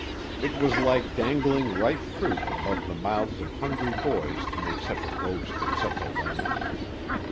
It was like dangling ripe fruit above the mouths of hungry boys to make such a boast in such a land.